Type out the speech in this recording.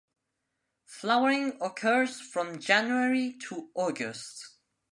Flowering occurs from January to August.